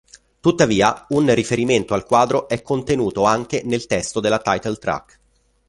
Tuttavia un riferimento al quadro è contenuto anche nel testo della title track.